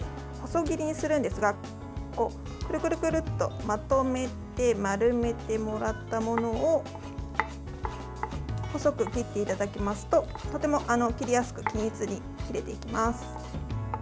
細切りにするんですがくるくるくるっとまとめて丸めてもらったものを細く切っていただきますととても切りやすく均一に切れていきます。